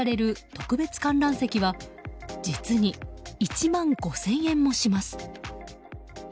特別観覧席は実に１万５０００円もします。